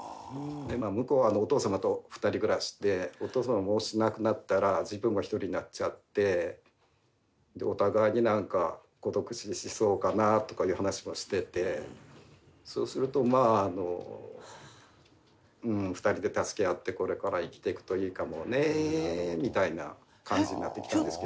向こうはお父様と二人暮らしでお父様もし亡くなったら自分も１人になっちゃってお互いに孤独死しそうかなとかいう話もしててそうするとまあ２人で助け合ってこれから生きていくといいかもねみたいな感じになってきたんですけど。